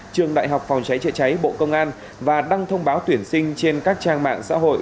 trường đại học phòng cháy chữa cháy bộ công an và đăng thông báo tuyển sinh trên các trang mạng xã hội